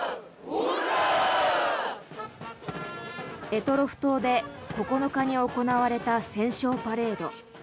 択捉島で９日に行われた戦勝パレード。